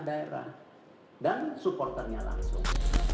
daerah dan supporternya langsung